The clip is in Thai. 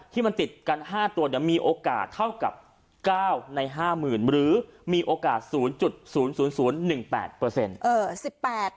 ที่มันติดกัน๕ตัวมีโอกาสเท่ากับ๙ใน๕๐๐๐หรือมีโอกาส๐๐๑๘เปอร์เซ็นต์